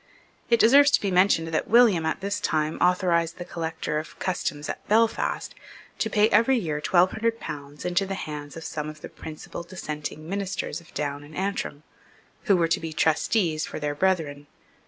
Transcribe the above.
It deserves to be mentioned that William, at this time, authorised the Collector of Customs at Belfast to pay every year twelve hundred pounds into the hands of some of the principal dissenting ministers of Down and Antrim, who were to be trustees for their brethren.